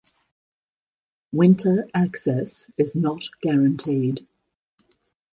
Winter access is not guaranteed.